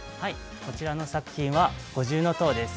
こちらの作品は五重塔です。